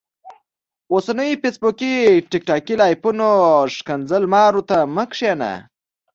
اوسنيو فيسبوکي ټیک ټاکي لايفونو ښکنځل مارو ته مه کينه